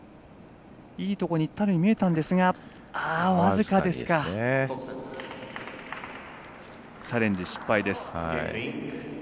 いいところにいったように見えたんですがチャレンジ失敗です。